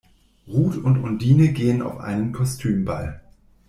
Ruth und Undine gehen auf einen Kostümball.